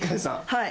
はい。